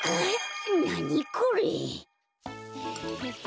なにこれ？